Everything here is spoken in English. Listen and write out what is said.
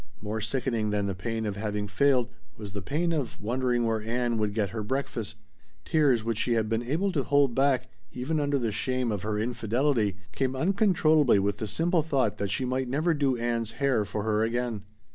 More sickening than the pain of having failed was the pain of wondering where Ann would get her breakfast. Tears which she had been able to hold back even under the shame of her infidelity came uncontrollably with the simple thought that she might never do Ann's hair for her again.